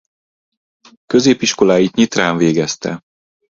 Középiskoláit Nyitrán végezte.